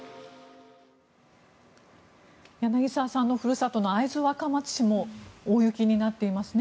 柳澤さんのふるさとの会津若松市も大雪になっていますね。